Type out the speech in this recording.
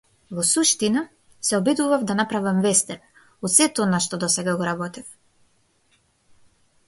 Во суштина, се обидував да направам вестерн од сето она што досега го работев.